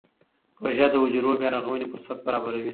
روژه د حجرو بیا رغونې فرصت برابروي.